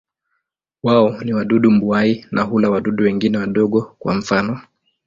Wao ni wadudu mbuai na hula wadudu wengine wadogo, kwa mfano.